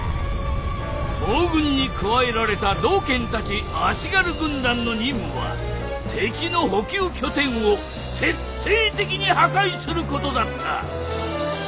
東軍に加えられた道賢たち足軽軍団の任務は敵の補給拠点を徹底的に破壊することだった。